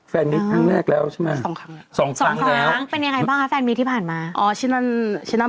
พบกันมามีแฟนมิตรครั้งแรกแล้วใช่ไหม